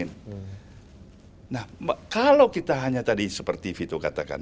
nah kalau kita hanya tadi seperti vito katakan